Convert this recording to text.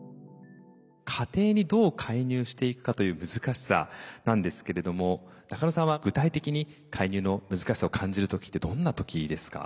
家庭にどう介入していくかという難しさなんですけれども中野さんは具体的に介入の難しさを感じる時ってどんな時ですか？